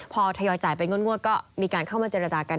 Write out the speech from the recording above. พอทยอยจ่ายเป็นงวดก็มีการเข้ามาเจรจากัน